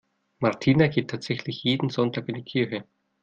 Martina geht tatsächlich jeden Sonntag in die Kirche.